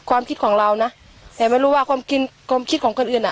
ความคิดของเรานะแต่ไม่รู้ว่าความคิดความคิดของคนอื่นอ่ะ